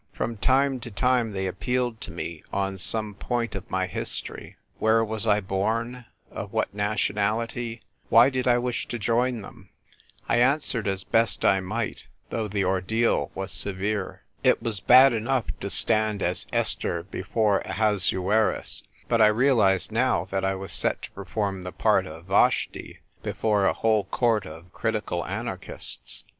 From time to time they appealed to me on some point of my history — where was I born, of what nationality, why did I wish to join them ? I answered as best I might, though the ordeal was severe. It was bad enough to stand as Esther before Ahasuerus, but I realised now that I was set to perform the part of Vashti before a whole court of critical anarchists.